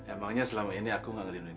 emangnya selama ini aku ngelindungi kamu